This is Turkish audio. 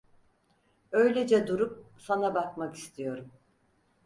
Öylece durup sana bakmak istiyorum!